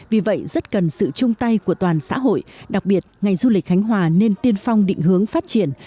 vì vậy rất cần sự chung tay của toàn xã hội đặc biệt ngành du lịch khánh hòa nên tiên phong định hướng phát triển